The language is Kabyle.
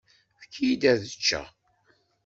Efk-iyi-d ad ččeɣ.